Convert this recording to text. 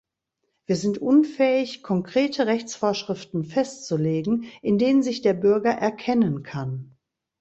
Wir sind unfähig, konkrete Rechtsvorschriften festzulegen, in denen sich der Bürger erkennen kann.